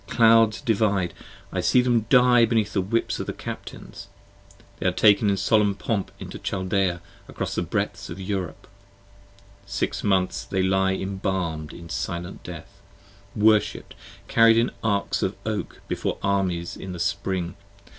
clouds divide: I see them die beneath the whips of the Captains; they are taken In solemn pomp into Chaldea across the bredths of Europe; Six months they lie embalm'd in silent death: worshipped, 45 Carried in Arks of Oak before the armies in the spring.